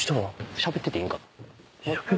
しゃべってていいんか？